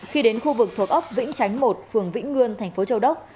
khi đến khu vực thuộc ốc vĩnh chánh một phường vĩnh ngươn tp châu đốc